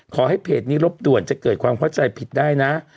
เพจนี้รบด่วนจะเกิดความเข้าใจผิดได้นะ